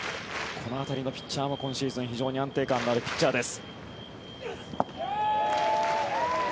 この辺りのピッチャーも今シーズン安定感のあるピッチャーです。